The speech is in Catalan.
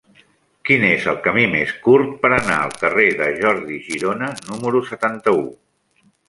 Quin és el camí més curt per anar al carrer de Jordi Girona número setanta-u?